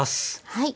はい。